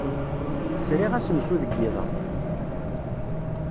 Sriɣ asensu deg yiḍ-a.